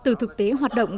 từ thực tế hoạt động